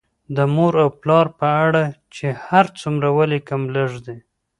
د مور او پلار په اړه چې هر څومره ولیکم لږ دي